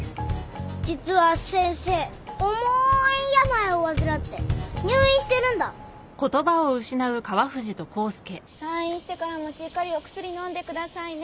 実は先生重い病を患って入院してるんだ。退院してからもしっかりお薬飲んでくださいね。